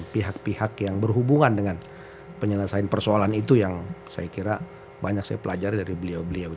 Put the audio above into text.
pihak pihak yang berhubungan dengan penyelesaian persoalan itu yang saya kira banyak saya pelajari dari beliau beliau